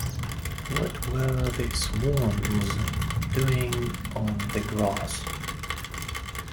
What were the swans doing on the grass?